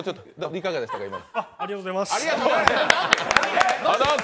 いかがでしたか、今の。